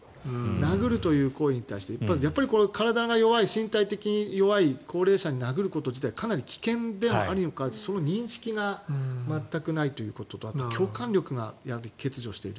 殴るという行為に対して体が弱い、身体的に弱い高齢者を殴ること自体かなり危険であるにもかかわらずその認識が全くないということとあと共感力が欠如している。